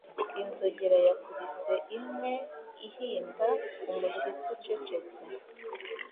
Inzogera yakubise imwe, ihinda umushyitsi ucecetse;